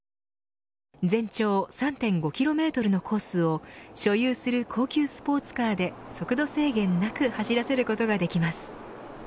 全長３．５キロメートルのコースを所有する高級スポーツカーで速度制限なく走らせることができます。